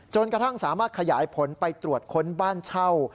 กระทั่งสามารถขยายผลไปตรวจค้นบ้านเช่า